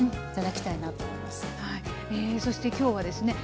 そして今日はですね